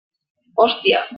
Hòstia!